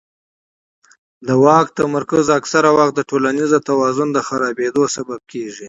د واک تمرکز اکثره وخت د ټولنیز توازن د خرابېدو سبب کېږي